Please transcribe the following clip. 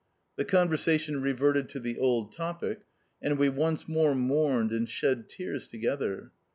The conversation reverted to the old topic, and we once more mourned and shed tears together.